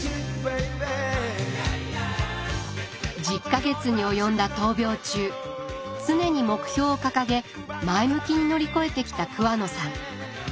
１０か月に及んだ闘病中常に目標を掲げ前向きに乗り越えてきた桑野さん。